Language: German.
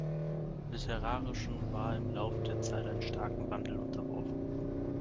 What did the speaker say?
Literarischen war im Laufe der Zeit einem starken Wandel unterworfen.